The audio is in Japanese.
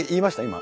今。